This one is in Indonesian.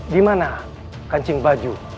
di mana kancing baju